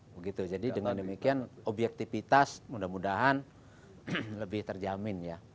begitu jadi dengan demikian objektivitas mudah mudahan lebih terjamin ya